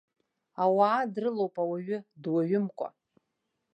Ауаа дрылоуп ауаҩы дуаҩымкәа!